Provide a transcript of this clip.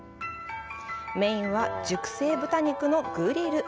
メインは熟成豚肉のグリル。